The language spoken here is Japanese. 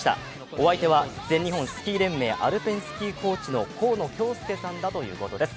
お相手は全日本スキー連盟アルペンスキーコーチの河野恭介さんだということです。